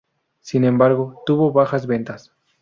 Sin embargo, tuvo bajas ventas.